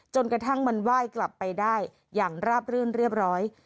จนกระทั่งมันไหว้กลับไปได้อย่างราบรื่นเรียบร้อย